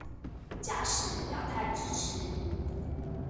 假使表態支持